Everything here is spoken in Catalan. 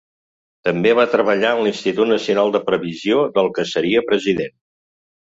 També va treballar en l'Institut Nacional de Previsió, del que seria president.